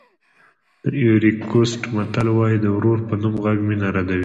د ایوُري کوسټ متل وایي د ورور په نوم غږ مینه ردوي.